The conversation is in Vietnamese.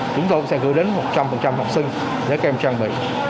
chúng tôi cũng sẽ gửi đến một trăm linh học sinh để các em trang bị